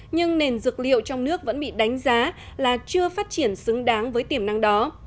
nhưng nền dược liệu trong nước vẫn bị đánh giá là chưa phát triển xứng đáng với tiềm năng đó